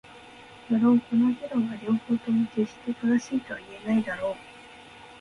無論この議論は両方とも決して正しいとは言えないだろう。